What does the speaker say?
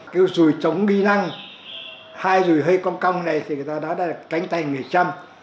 cái rùi trống ghi năng hai rùi hơi cong cong này thì người ta nói là cánh tay người chăm